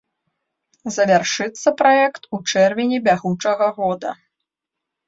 Завяршыцца праект у чэрвені бягучага года.